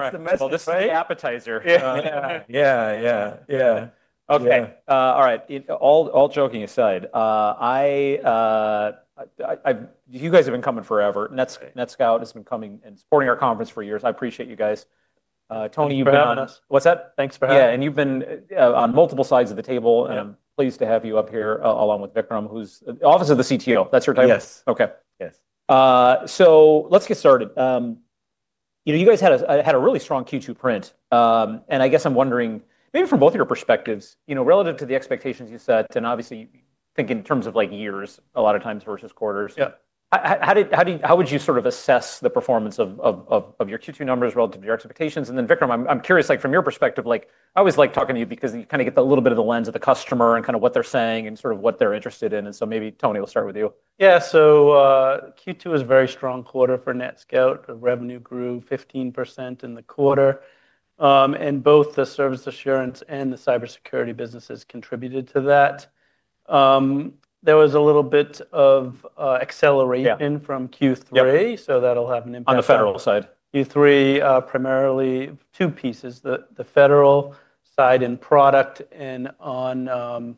That's the message, right? This is the appetizer. Yeah, yeah, yeah, yeah. Okay, all right, all joking aside, you guys have been coming forever, NetScout has been coming and supporting our conference for years. I appreciate you guys. Tony, you've been on us. Thanks for having us. What's that? Thanks for having us. Yeah, you've been on multiple sides of the table. I'm pleased to have you up here along with Vikram, who's the Office of the CTO. That's your title? Yes. Okay. Yes.Let's get started. You guys had a really strong Q2 print, and I guess I'm wondering, maybe from both of your perspectives, relative to the expectations you set, and obviously thinking in terms of years, a lot of times versus quarters. How would you sort of assess the performance of your Q2 numbers relative to your expectations? Vikram, I'm curious, from your perspective, I always like talking to you because you kind of get a little bit of the lens of the customer and kind of what they're saying and sort of what they're interested in. Maybe Tony will start with you. Yeah, Q2 was a very strong quarter for NetScout. The revenue grew 15% in the quarter, and both the service assurance and the cybersecurity businesses contributed to that. There was a little bit of acceleration from Q3, so that'll have an impact. On the federal side. Q3, primarily two pieces: the federal side and product, and on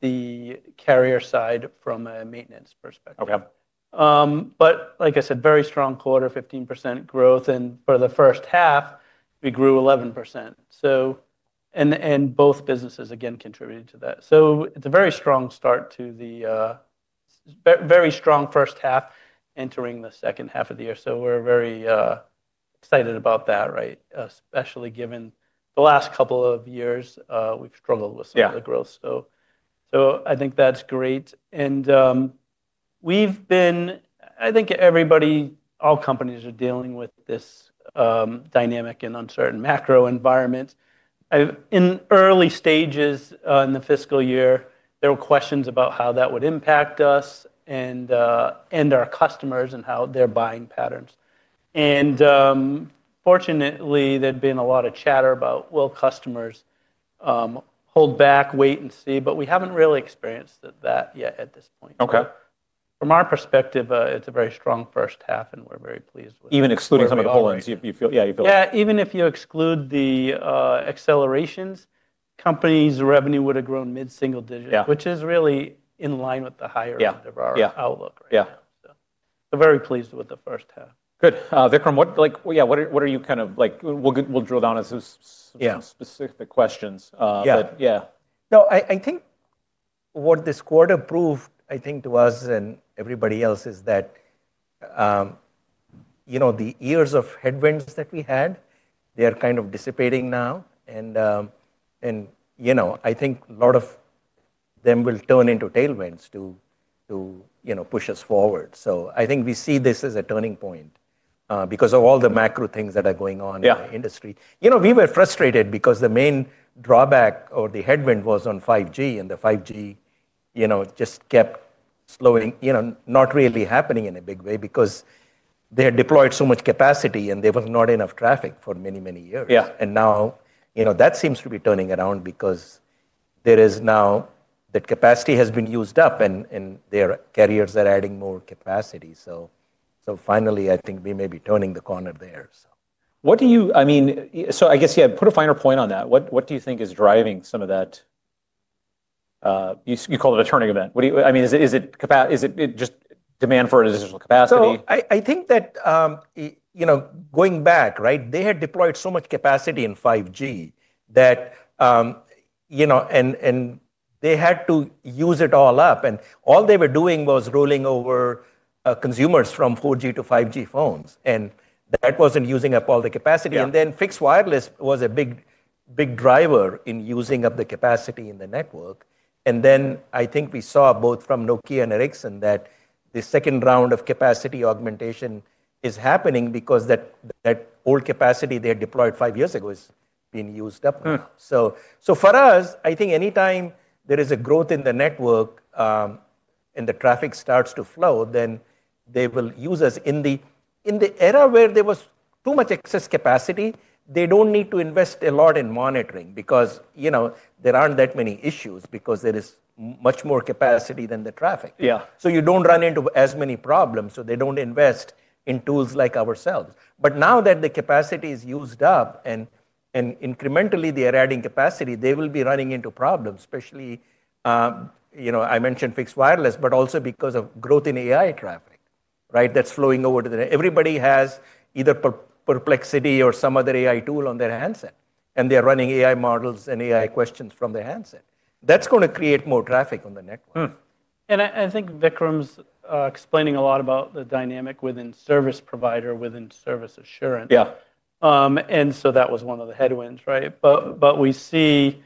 the carrier side from a maintenance perspective. Like I said, very strong quarter, 15% growth, and for the first half, we grew 11%. Both businesses, again, contributed to that. It is a very strong start to the very strong first half entering the second half of the year. We are very excited about that, right? Especially given the last couple of years, we've struggled with some of the growth. I think that's great. We've been, I think everybody, all companies are dealing with this dynamic and uncertain macro environment. In early stages in the fiscal year, there were questions about how that would impact us and our customers and how their buying patterns. Fortunately, there'd been a lot of chatter about, "Will customers hold back, wait and see?" We haven't really experienced that yet at this point. From our perspective, it's a very strong first half, and we're very pleased with it. Even excluding some of the hole-ins, yeah, you feel it. Yeah, even if you exclude the accelerations, companies' revenue would have grown mid-single digit, which is really in line with the higher end of our outlook. Very pleased with the first half. Good. Vikram, yeah, what are you kind of, we'll drill down into some specific questions. Yeah. No, I think what this quarter proved, I think to us and everybody else, is that the years of headwinds that we had, they are kind of dissipating now. I think a lot of them will turn into tailwinds to push us forward. I think we see this as a turning point because of all the macro things that are going on in the industry. You know, we were frustrated because the main drawback or the headwind was on 5G, and the 5G just kept slowing, not really happening in a big way because they had deployed so much capacity and there was not enough traffic for many, many years. Now that seems to be turning around because there is now that capacity has been used up and their carriers are adding more capacity. Finally, I think we may be turning the corner there. What do you, I mean, so I guess, yeah, put a finer point on that. What do you think is driving some of that? You called it a turning event. I mean, is it just demand for additional capacity? I think that going back, right, they had deployed so much capacity in 5G that, you know, and they had to use it all up. All they were doing was rolling over consumers from 4G to 5G phones. That was not using up all the capacity. Fixed wireless was a big driver in using up the capacity in the network. I think we saw both from Nokia and Ericsson that the second round of capacity augmentation is happening because that old capacity they had deployed five years ago is being used up now. For us, I think anytime there is a growth in the network and the traffic starts to flow, they will use us. In the era where there was too much excess capacity, they do not need to invest a lot in monitoring because there are not that many issues because there is much more capacity than the traffic. You do not run into as many problems, so they do not invest in tools like ourselves. Now that the capacity is used up and incrementally they are adding capacity, they will be running into problems, especially, you know, I mentioned fixed wireless, but also because of growth in AI traffic, right? That is flowing over to the network. Everybody has either Perplexity or some other AI tool on their handset, and they are running AI models and AI questions from their handset. That is going to create more traffic on the network. I think Vikram's explaining a lot about the dynamic within service provider, within service assurance. That was one of the headwinds, right? We see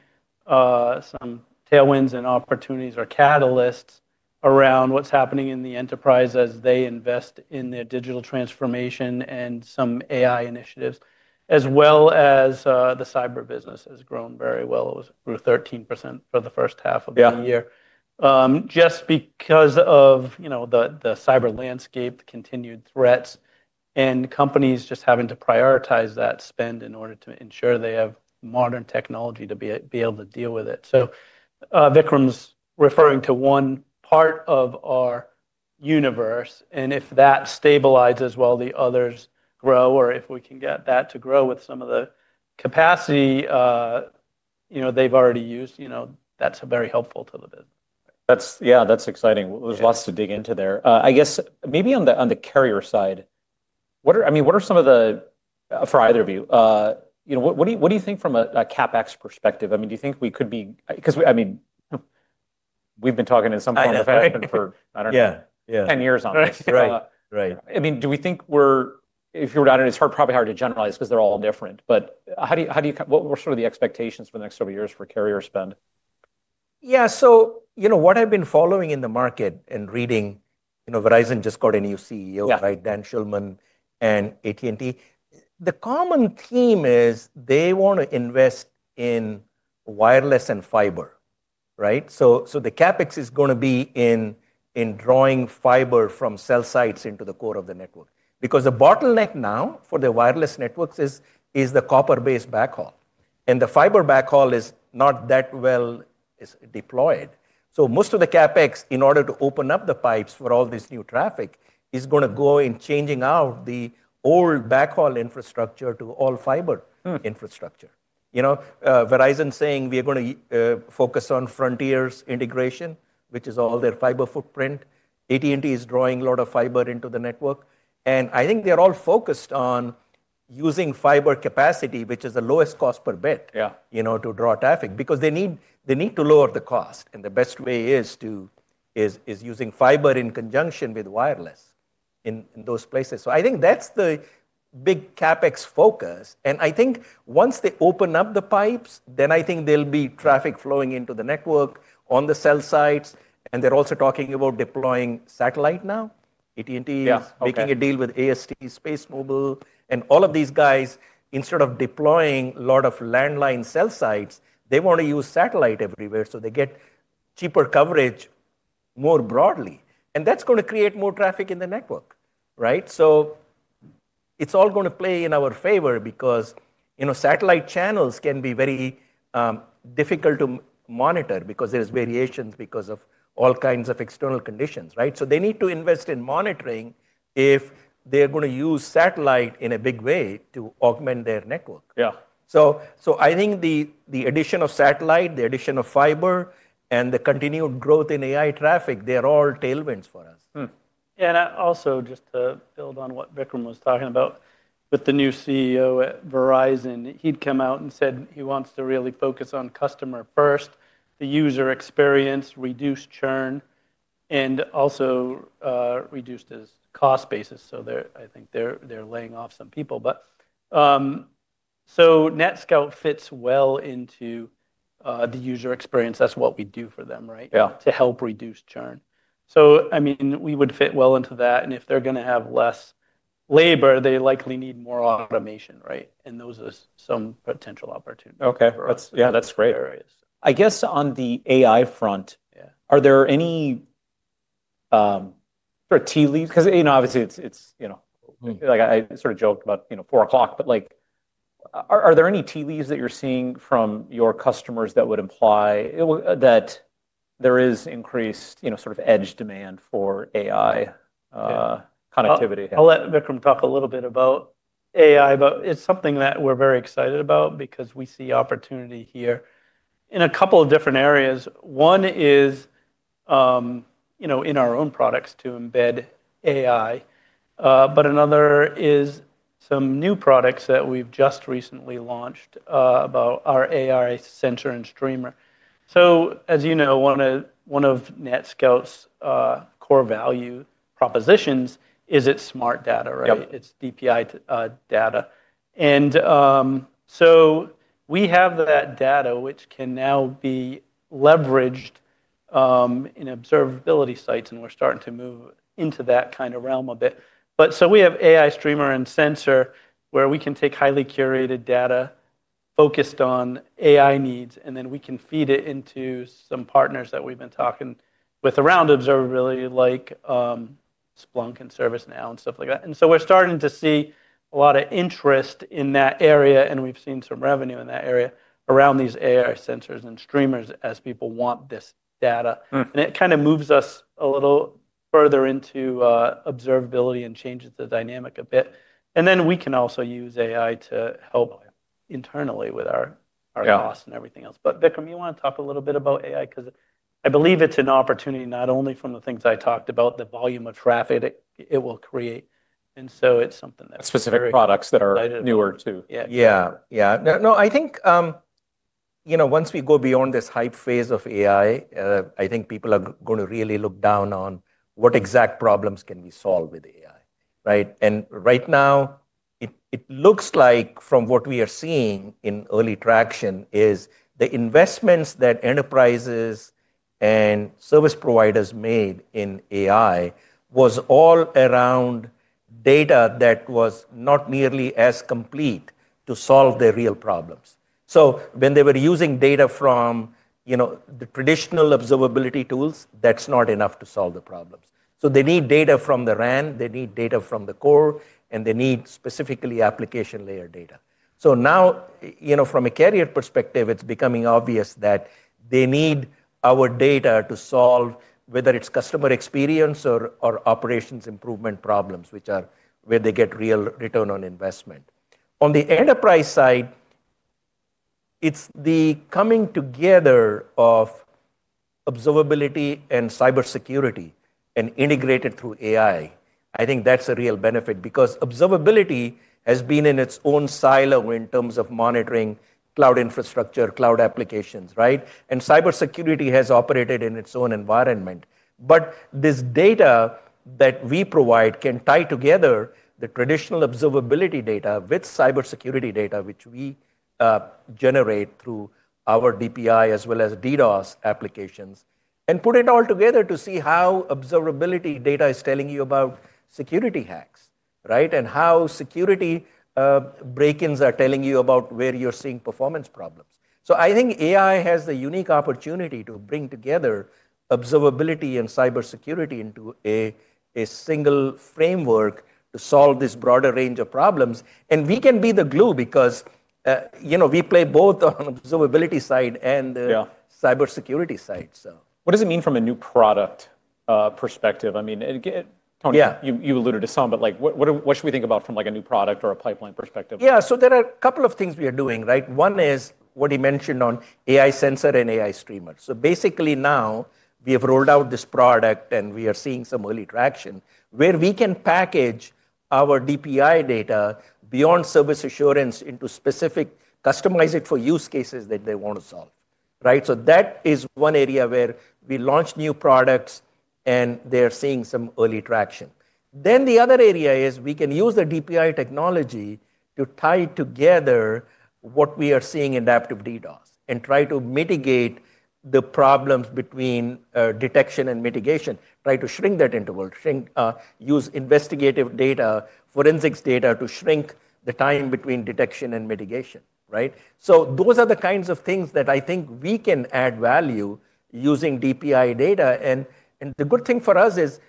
some tailwinds and opportunities or catalysts around what's happening in the enterprise as they invest in their digital transformation and some AI initiatives, as well as the cyber business has grown very well. It was 13% for the first half of the year, just because of the cyber landscape, continued threats, and companies just having to prioritize that spend in order to ensure they have modern technology to be able to deal with it. Vikram's referring to one part of our universe, and if that stabilizes while the others grow, or if we can get that to grow with some of the capacity they've already used, that's very helpful to the business. Yeah, that's exciting. There's lots to dig into there. I guess maybe on the carrier side, I mean, what are some of the, for either of you, what do you think from a CapEx perspective? I mean, do you think we could be, because I mean, we've been talking in some form or fashion for, I don't know, 10 years on this. I mean, do we think we're, if you're down, it's probably hard to generalize because they're all different, but what are sort of the expectations for the next several years for carrier spend? Yeah, so you know what I've been following in the market and reading, you know, Verizon just got a new CEO, right? Dan Schulman and AT&T. The common theme is they want to invest in wireless and fiber, right? So the CapEx is going to be in drawing fiber from cell sites into the core of the network. Because the bottleneck now for the wireless networks is the copper-based backhaul. And the fiber backhaul is not that well deployed. So most of the CapEx, in order to open up the pipes for all this new traffic, is going to go in changing out the old backhaul infrastructure to all fiber infrastructure. You know, Verizon is saying we are going to focus on Frontier's integration, which is all their fiber footprint. AT&T is drawing a lot of fiber into the network. I think they're all focused on using fiber capacity, which is the lowest cost per bit, you know, to draw traffic because they need to lower the cost. The best way is using fiber in conjunction with wireless in those places. I think that's the big CapEx focus. I think once they open up the pipes, there will be traffic flowing into the network on the cell sites. They're also talking about deploying satellite now. AT&T is making a deal with AST SpaceMobile, and all of these guys, instead of deploying a lot of landline cell sites, want to use satellite everywhere. They get cheaper coverage more broadly. That's going to create more traffic in the network, right? It is all going to play in our favor because, you know, satellite channels can be very difficult to monitor because there are variations because of all kinds of external conditions, right? They need to invest in monitoring if they are going to use satellite in a big way to augment their network. I think the addition of satellite, the addition of fiber, and the continued growth in AI traffic, they are all tailwinds for us. Yeah, and also just to build on what Vikram was talking about with the new CEO at Verizon, he had come out and said he wants to really focus on customer first, the user experience, reduce churn, and also reduce his cost basis. I think they're laying off some people. NetScout fits well into the user experience. That's what we do for them, right? To help reduce churn. I mean, we would fit well into that. If they're going to have less labor, they likely need more automation, right? Those are some potential opportunities. Okay, yeah, that's great. I guess on the AI front, are there any tea leaves? Because, you know, obviously, it's, you know, like I sort of joked about four o'clock, but like are there any tea leaves that you're seeing from your customers that would imply that there is increased sort of edge demand for AI connectivity? I'll let Vikram talk a little bit about AI, but it's something that we're very excited about because we see opportunity here in a couple of different areas. One is in our own products to embed AI, but another is some new products that we've just recently launched about our AI Sensor and Streamer. As you know, one of NetScout's core value propositions is its smart data, right? It's DPI data. We have that data, which can now be leveraged in observability sites, and we're starting to move into that kind of realm a bit. We have AI Streamer and Sensor where we can take highly curated data focused on AI needs, and then we can feed it into some partners that we've been talking with around observability like Splunk and ServiceNow and stuff like that. We're starting to see a lot of interest in that area, and we've seen some revenue in that area around these AI sensors and streamers as people want this data. It kind of moves us a little further into observability and changes the dynamic a bit. We can also use AI to help internally with our costs and everything else. Vikram, you want to talk a little bit about AI? I believe it's an opportunity not only from the things I talked about, the volume of traffic it will create. It's something that's very exciting. Specific products that are newer too. Yeah, yeah. No, I think, you know, once we go beyond this hype phase of AI, I think people are going to really look down on what exact problems can we solve with AI, right? Right now, it looks like from what we are seeing in early traction is the investments that enterprises and service providers made in AI was all around data that was not nearly as complete to solve their real problems. When they were using data from the traditional observability tools, that's not enough to solve the problems. They need data from the RAN, they need data from the core, and they need specifically application layer data. Now, you know, from a carrier perspective, it's becoming obvious that they need our data to solve whether it's customer experience or operations improvement problems, which are where they get real return on investment. On the enterprise side, it's the coming together of observability and cybersecurity and integrated through AI. I think that's a real benefit because observability has been in its own silo in terms of monitoring cloud infrastructure, cloud applications, right? And cybersecurity has operated in its own environment. This data that we provide can tie together the traditional observability data with cybersecurity data, which we generate through our DPI as well as DDoS applications and put it all together to see how observability data is telling you about security hacks, right? And how security break-ins are telling you about where you're seeing performance problems. I think AI has the unique opportunity to bring together observability and cybersecurity into a single framework to solve this broader range of problems. We can be the glue because, you know, we play both on the observability side and the cybersecurity side. What does it mean from a new product perspective? I mean, Tony, you alluded to some, but like what should we think about from like a new product or a pipeline perspective? Yeah, so there are a couple of things we are doing, right? One is what he mentioned on AI Sensor and AI Streamer. Basically, now we have rolled out this product and we are seeing some early traction where we can package our DPI data beyond service assurance into specific customized use cases that they want to solve, right? That is one area where we launch new products and they're seeing some early traction. The other area is we can use the DPI technology to tie together what we are seeing in Adaptive DDoS and try to mitigate the problems between detection and mitigation, try to shrink that interval, use investigative data, forensics data to shrink the time between detection and mitigation, right? Those are the kinds of things that I think we can add value using DPI data. The good thing for us is,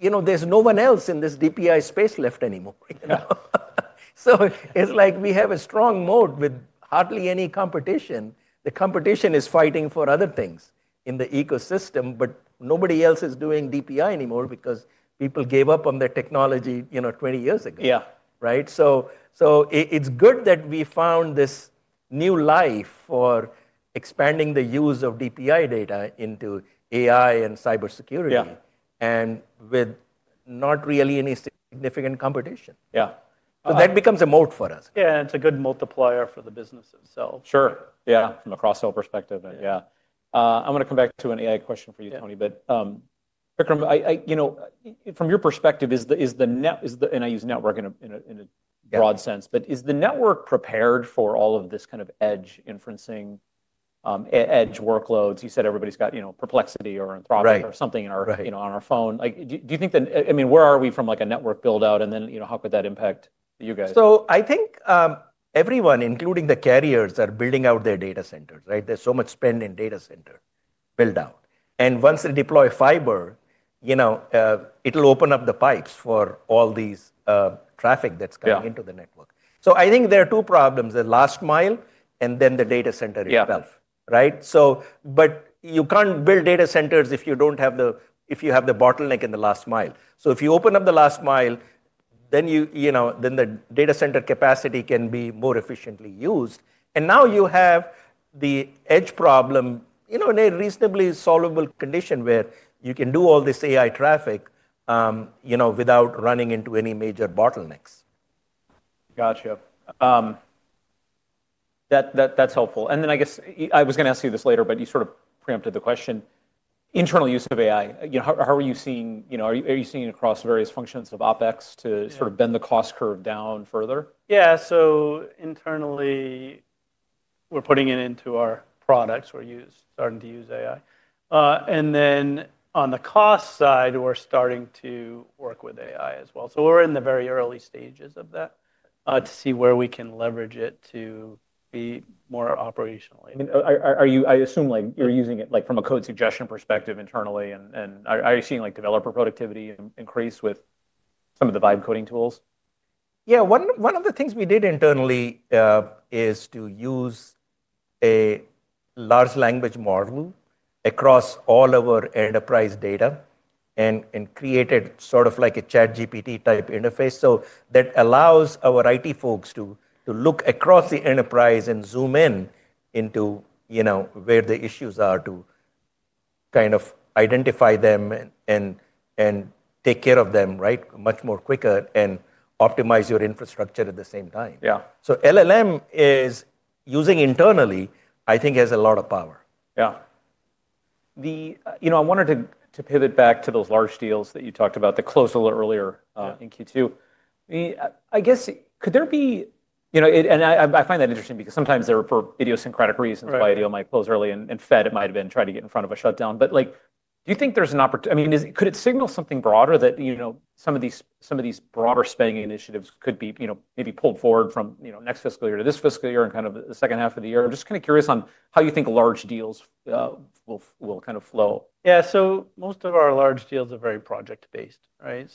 you know, there's no one else in this DPI space left anymore. It is like we have a strong moat with hardly any competition. The competition is fighting for other things in the ecosystem, but nobody else is doing DPI anymore because people gave up on their technology, you know, 20 years ago, right? It is good that we found this new life for expanding the use of DPI data into AI and cybersecurity and with not really any significant competition. Yeah, that becomes a moat for us. Yeah, and it's a good multiplier for the business itself. Sure, yeah, from a cross-sell perspective, yeah. I'm going to come back to an AI question for you, Tony, but Vikram, you know, from your perspective, is the, and I use network in a broad sense, but is the network prepared for all of this kind of edge inferencing, edge workloads? You said everybody's got, you know, Perplexity or Anthropic or something on our phone. Like, do you think that, I mean, where are we from like a network buildout and then, you know, how could that impact you guys? I think everyone, including the carriers, are building out their data centers, right? There's so much spend in data center buildout. Once they deploy fiber, you know, it'll open up the pipes for all this traffic that's coming into the network. I think there are two problems: the last mile and then the data center itself, right? You can't build data centers if you have the bottleneck in the last mile. If you open up the last mile, then you, you know, then the data center capacity can be more efficiently used. Now you have the edge problem, you know, in a reasonably solvable condition where you can do all this AI traffic, you know, without running into any major bottlenecks. Gotcha. That's helpful. I guess I was going to ask you this later, but you sort of preempted the question. Internal use of AI, you know, how are you seeing, you know, are you seeing across various functions of OpEx to sort of bend the cost curve down further? Yeah, so internally we're putting it into our products; we're starting to use AI. On the cost side, we're starting to work with AI as well. We're in the very early stages of that to see where we can leverage it to be more operational. I mean, are you, I assume like you're using it like from a code suggestion perspective internally, and are you seeing like developer productivity increase with some of the vibe coding tools? Yeah, one of the things we did internally is to use a large language model across all of our enterprise data and created sort of like a ChatGPT type interface. That allows our IT folks to look across the enterprise and zoom in into, you know, where the issues are to kind of identify them and take care of them, right, much more quicker and optimize your infrastructure at the same time. LLM is using internally, I think has a lot of power. Yeah. You know, I wanted to pivot back to those large deals that you talked about that closed a little earlier in Q2. I guess could there be, you know, and I find that interesting because sometimes they're for idiosyncratic reasons why a deal might close early and Fed might have been trying to get in front of a shutdown. Like, do you think there's an opportunity? I mean, could it signal something broader that, you know, some of these broader spending initiatives could be, you know, maybe pulled forward from, you know, next fiscal year to this fiscal year and kind of the second half of the year? I'm just kind of curious on how you think large deals will kind of flow. Yeah, so most of our large deals are very project-based, right?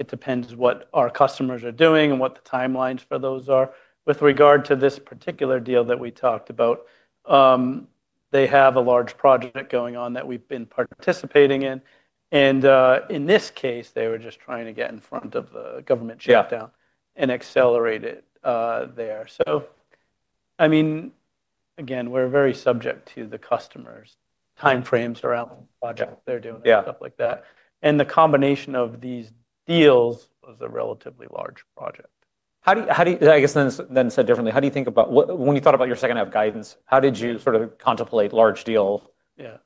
It depends what our customers are doing and what the timelines for those are. With regard to this particular deal that we talked about, they have a large project going on that we've been participating in. In this case, they were just trying to get in front of the government shutdown and accelerate it there. I mean, again, we're very subject to the customers' timeframes around the project they're doing and stuff like that. The combination of these deals was a relatively large project. How do you, I guess then said differently, how do you think about when you thought about your second half guidance, how did you sort of contemplate large deals,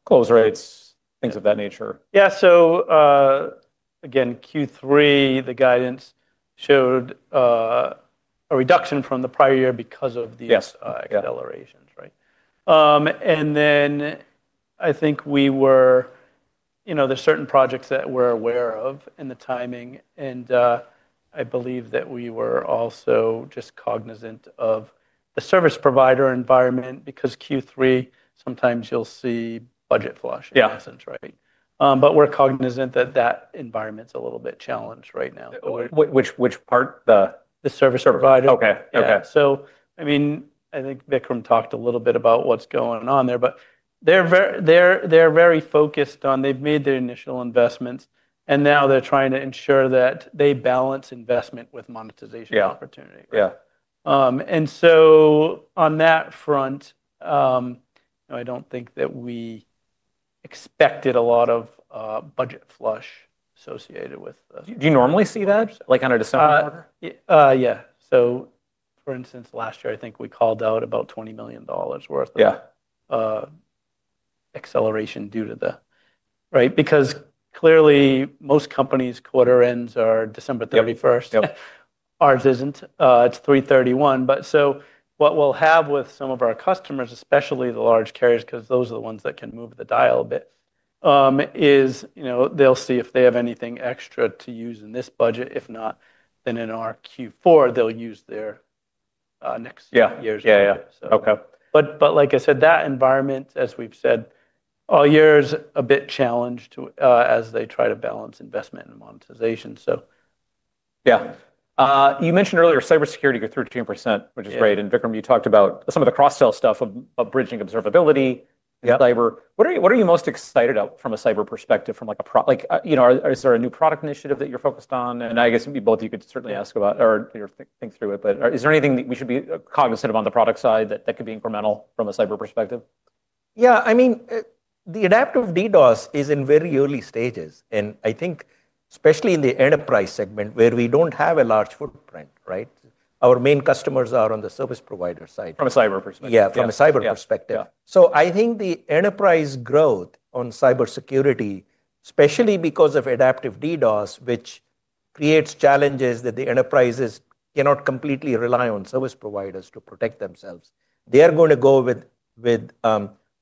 close rates, things of that nature? Yeah, so again, Q3, the guidance showed a reduction from the prior year because of these accelerations, right? I think we were, you know, there's certain projects that we're aware of and the timing. I believe that we were also just cognizant of the service provider environment because Q3, sometimes you'll see budget flushing in essence, right? We're cognizant that that environment's a little bit challenged right now. Which part? The service provider. Okay, okay. I mean, I think Vikram talked a little bit about what's going on there, but they're very focused on, they've made their initial investments, and now they're trying to ensure that they balance investment with monetization opportunity. Yeah. On that front, I don't think that we expected a lot of budget flush associated with. Do you normally see that? Like on a December quarter? Yeah. For instance, last year, I think we called out about $20 million worth of acceleration due to the, right? Because clearly most companies' quarter ends are December 31st. Ours is not. It is 3/31. What we will have with some of our customers, especially the large carriers, because those are the ones that can move the dial a bit, is, you know, they will see if they have anything extra to use in this budget. If not, then in our Q4, they will use their next year's budget. Yeah, yeah. Okay. Like I said, that environment, as we've said all year, is a bit challenged as they try to balance investment and monetization. Yeah. You mentioned earlier cybersecurity go through 13%, which is great. And Vikram, you talked about some of the cross-sell stuff of bridging observability, cyber. What are you most excited about from a cyber perspective? From like a, like, you know, is there a new product initiative that you're focused on? I guess both of you could certainly ask about or think through it, but is there anything that we should be cognizant of on the product side that could be incremental from a cyber perspective? Yeah, I mean, the adaptive DDoS is in very early stages. I think especially in the enterprise segment where we do not have a large footprint, right? Our main customers are on the service provider side. From a cyber perspective. Yeah, from a cyber perspective. I think the enterprise growth on cybersecurity, especially because of adaptive DDoS, which creates challenges that the enterprises cannot completely rely on service providers to protect themselves. They are going to go with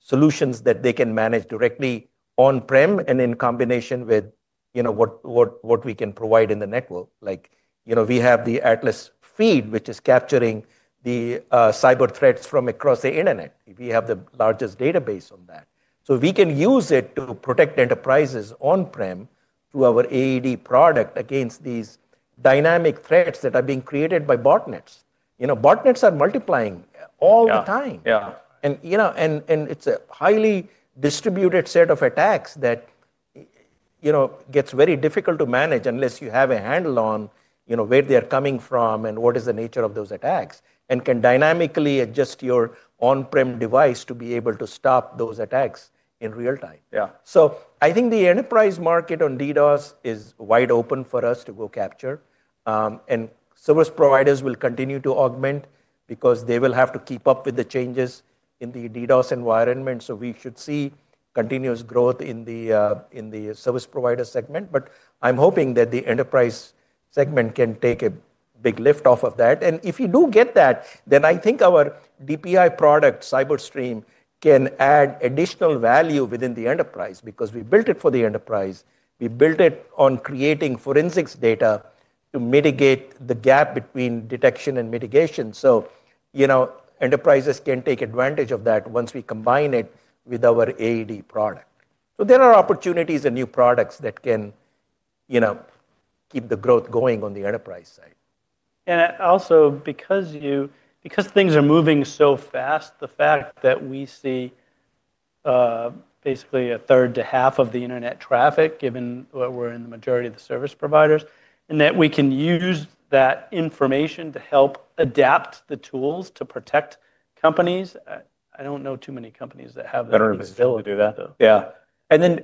solutions that they can manage directly on-prem and in combination with, you know, what we can provide in the network. Like, you know, we have the ATLAS feed, which is capturing the cyber threats from across the internet. We have the largest database on that. We can use it to protect enterprises on-prem through our AED product against these dynamic threats that are being created by botnets. You know, botnets are multiplying all the time. You know, it is a highly distributed set of attacks that gets very difficult to manage unless you have a handle on where they are coming from and what is the nature of those attacks and can dynamically adjust your on-prem device to be able to stop those attacks in real time. I think the enterprise market on DDoS is wide open for us to go capture. Service providers will continue to augment because they will have to keep up with the changes in the DDoS environment. We should see continuous growth in the service provider segment. I am hoping that the enterprise segment can take a big lift off of that. If you do get that, then I think our DPI product, CyberStream, can add additional value within the enterprise because we built it for the enterprise. We built it on creating forensics data to mitigate the gap between detection and mitigation. You know, enterprises can take advantage of that once we combine it with our AED product. There are opportunities and new products that can, you know, keep the growth going on the enterprise side. Also because things are moving so fast, the fact that we see basically a third to half of the internet traffic given what we're in the majority of the service providers and that we can use that information to help adapt the tools to protect companies. I don't know too many companies that have that. That are able to do that. Yeah.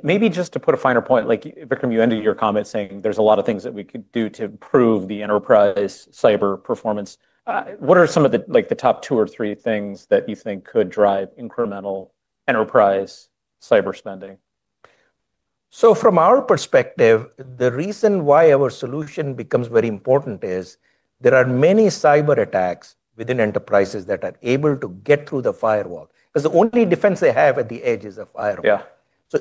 Maybe just to put a finer point, like Vikram, you ended your comment saying there's a lot of things that we could do to improve the enterprise cyber performance. What are some of the, like, the top two or three things that you think could drive incremental enterprise cyber spending? From our perspective, the reason why our solution becomes very important is there are many cyber attacks within enterprises that are able to get through the firewall because the only defense they have at the edge is a firewall.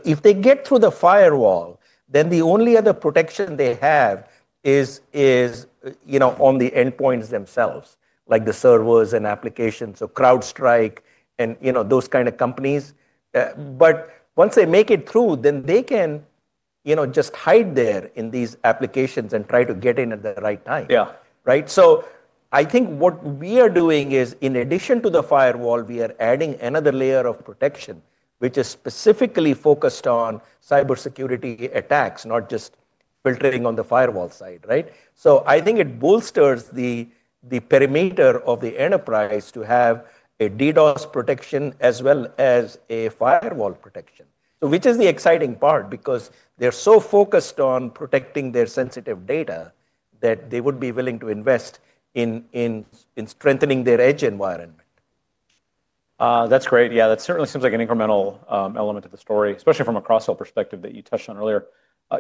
If they get through the firewall, then the only other protection they have is, you know, on the endpoints themselves, like the servers and applications of CrowdStrike and, you know, those kinds of companies. Once they make it through, then they can, you know, just hide there in these applications and try to get in at the right time, right? I think what we are doing is in addition to the firewall, we are adding another layer of protection, which is specifically focused on cybersecurity attacks, not just filtering on the firewall side, right? I think it bolsters the perimeter of the enterprise to have a DDoS protection as well as a firewall protection, which is the exciting part because they're so focused on protecting their sensitive data that they would be willing to invest in strengthening their edge environment. That's great. Yeah, that certainly seems like an incremental element of the story, especially from a cross-sell perspective that you touched on earlier.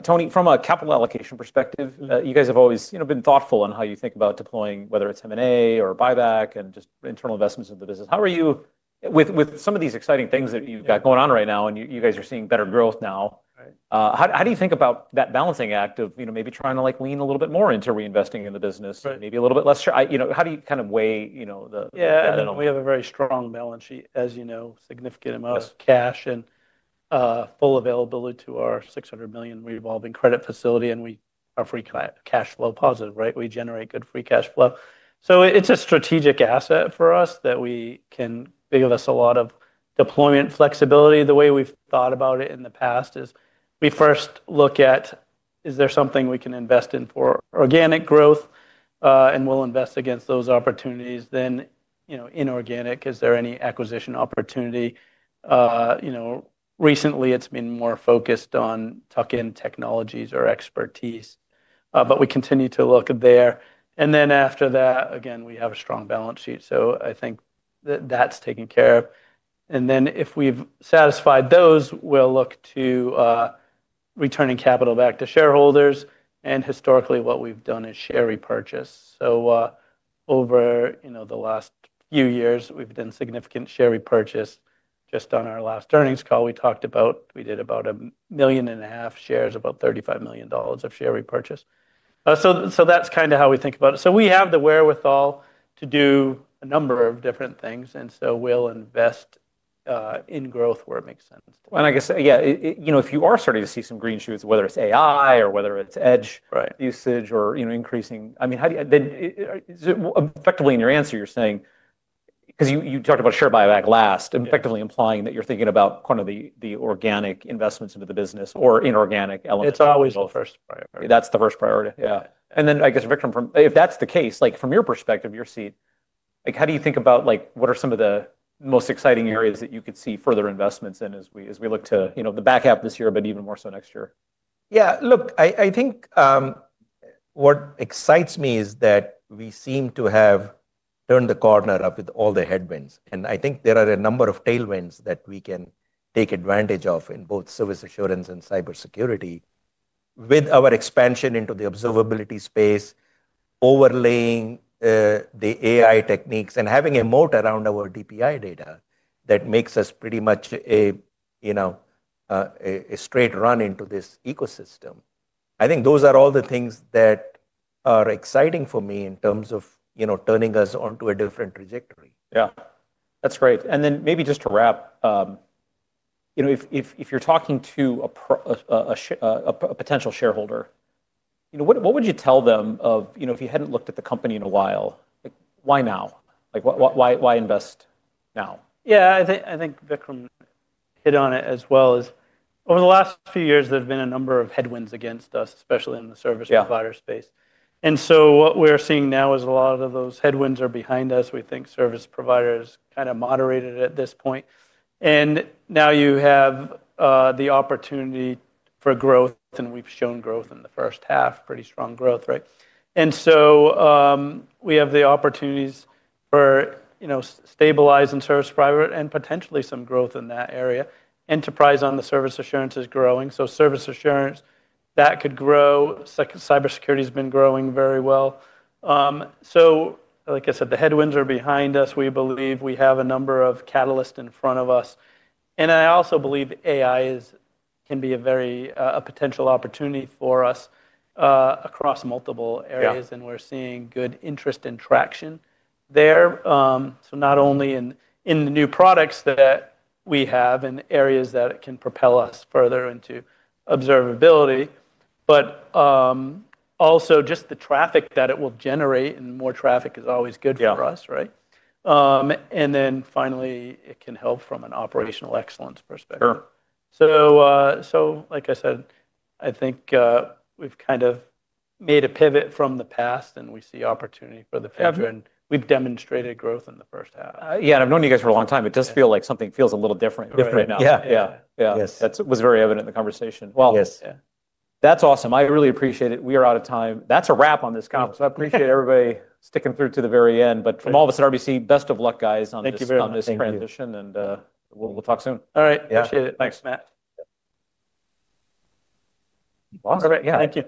Tony, from a capital allocation perspective, you guys have always, you know, been thoughtful on how you think about deploying, whether it's M&A or buyback and just internal investments in the business. How are you with some of these exciting things that you've got going on right now and you guys are seeing better growth now? How do you think about that balancing act of, you know, maybe trying to like lean a little bit more into reinvesting in the business, maybe a little bit less? You know, how do you kind of weigh, you know, the? Yeah, we have a very strong balance sheet, as you know, significant amount of cash and full availability to our $600 million revolving credit facility. We are free cash flow positive, right? We generate good free cash flow. It is a strategic asset for us that can give us a lot of deployment flexibility. The way we've thought about it in the past is we first look at, is there something we can invest in for organic growth? We'll invest against those opportunities. You know, inorganic, is there any acquisition opportunity? You know, recently it's been more focused on tuck-in technologies or expertise, but we continue to look there. After that, again, we have a strong balance sheet. I think that that's taken care of. If we've satisfied those, we'll look to returning capital back to shareholders. Historically, what we've done is share repurchase. Over the last few years, we've done significant share repurchase. Just on our last earnings call, we talked about, we did about a million and a half shares, about $35 million of share repurchase. That's kind of how we think about it. We have the wherewithal to do a number of different things. We'll invest in growth where it makes sense. I guess, yeah, you know, if you are starting to see some green shoots, whether it's AI or whether it's edge usage or, you know, increasing, I mean, how do you, then effectively in your answer, you're saying, because you talked about share buyback last, effectively implying that you're thinking about kind of the organic investments into the business or inorganic elements. It's always the first priority. That's the first priority. Yeah. I guess, Vikram, if that's the case, from your perspective, your seat, how do you think about, like what are some of the most exciting areas that you could see further investments in as we look to, you know, the back half this year, but even more so next year? Yeah, look, I think what excites me is that we seem to have turned the corner up with all the headwinds. I think there are a number of tailwinds that we can take advantage of in both service assurance and cybersecurity with our expansion into the observability space, overlaying the AI techniques and having a moat around our DPI data that makes us pretty much a, you know, a straight run into this ecosystem. I think those are all the things that are exciting for me in terms of, you know, turning us onto a different trajectory. Yeah, that's great. Maybe just to wrap, you know, if you're talking to a potential shareholder, you know, what would you tell them if you hadn't looked at the company in a while? Like why now? Like why invest now? Yeah, I think Vikram hit on it as well as over the last few years, there've been a number of headwinds against us, especially in the service provider space. What we're seeing now is a lot of those headwinds are behind us. We think service providers kind of moderated at this point. Now you have the opportunity for growth, and we've shown growth in the first half, pretty strong growth, right? We have the opportunities for, you know, stabilize in service provider and potentially some growth in that area. Enterprise on the service assurance is growing. Service assurance, that could grow. Cybersecurity has been growing very well. Like I said, the headwinds are behind us. We believe we have a number of catalysts in front of us. I also believe AI can be a very potential opportunity for us across multiple areas. We are seeing good interest and traction there. Not only in the new products that we have and areas that can propel us further into observability, but also just the traffic that it will generate. More traffic is always good for us, right? Finally, it can help from an operational excellence perspective. Like I said, I think we have kind of made a pivot from the past and we see opportunity for the future. We have demonstrated growth in the first half. Yeah, and I've known you guys for a long time. It does feel like something feels a little different right now. Yeah, yeah, yeah. That was very evident in the conversation. That's awesome. I really appreciate it. We are out of time. That's a wrap on this conference. I appreciate everybody sticking through to the very end. From all of us at RBC, best of luck, guys, on this transition. We'll talk soon. All right. Appreciate it. Thanks, Matt. All right. Yeah.